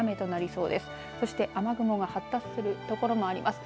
そして雨雲が発達する所もあります。